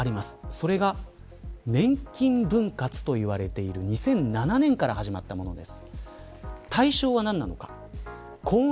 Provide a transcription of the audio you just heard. それが年金分割といわれている２００７年から始まったものです。